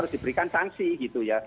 harus diberikan sanksi gitu ya